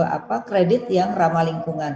apa kredit yang ramah lingkungan